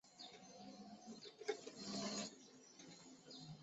奥特地区圣马尔德人口变化图示